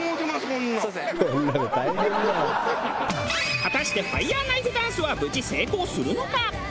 果たしてファイヤーナイフダンスは無事成功するのか！？